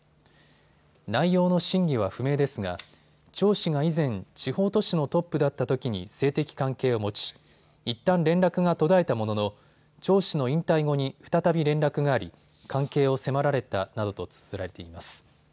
内容の真偽は不明ですが張氏が以前、地方都市のトップだったときに性的関係を持ち、いったん連絡が途絶えたものの張氏の引退後に再び連絡があり関係を迫られたなどとつづられています。